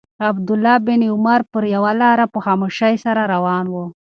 عبدالله بن عمر پر یوه لاره په خاموشۍ سره روان و.